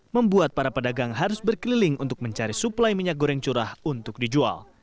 membuat para pedagang harus berkeliling untuk mencari suplai minyak goreng curah untuk dijual